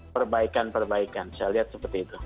perbaikan perbaikan saya lihat seperti itu